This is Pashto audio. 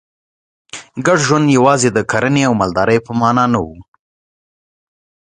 ګډ ژوند یوازې د کرنې او مالدارۍ په معنا نه و